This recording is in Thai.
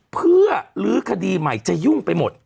เพื่อลื้อคดีใหม่จะยุ่งไปหมด